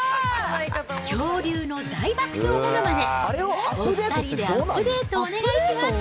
恐竜の大爆笑ものまね、お２人でアップデートお願いします。